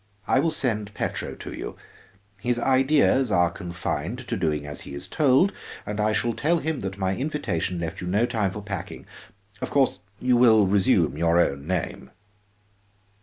I will send Petro to you; his ideas are confined to doing as he is told, and I shall tell him that my invitation left you no time for packing. Of course you will resume your own name."